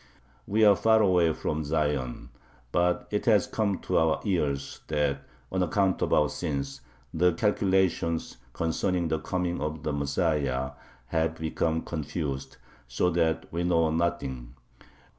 We are far away from Zion, but it has come to our ears that, on account of our sins, the calculations [concerning the coming of the Messiah] have become confused, so that we know nothing.